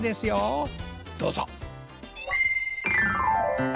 どうぞ！